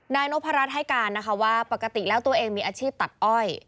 นายนพรัชให้การนะคะว่าปกติแล้วตัวเองมีอาชีพตัดอ้อย